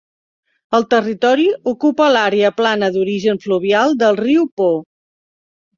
El territori ocupa l'àrea plana d'origen fluvial del riu Po.